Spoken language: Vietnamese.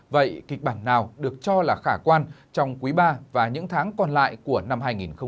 vậy kịch bản nào được cho là khả quan trong quý iii và những tháng còn lại của năm hai nghìn một mươi tám